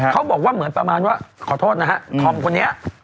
เขาบอกว่าเหมือนประมาณว่าขอโทษนะฮะธอมคนนี้